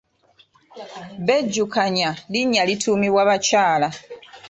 Bejjukanya linnya lituumibwa bakyala.